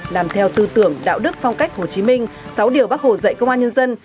làm theo tư tưởng đạo đức phong cách hồ chí minh sáu điều bác hồ dạy công an nhân dân